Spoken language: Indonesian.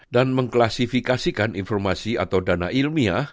dan mengklasifikasikan informasi atau dana ilmiah